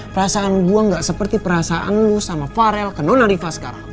perasaan gue nggak seperti perasaan lo sama farel ke nona riva sekarang